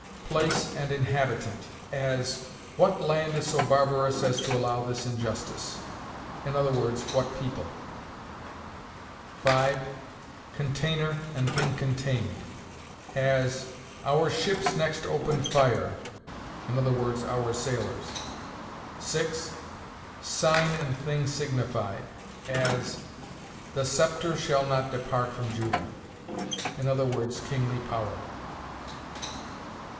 Place and inhabitant; as, 'What land is so barbarous as to allow this injustice?' i. e., what people. 5. Container and thing contained; as, 'Our ships next opened fire,' i. e., our sailors. 6. Sign and thing signified; as, 'The scepter shall not depart from Judah,' i. e., kingly power.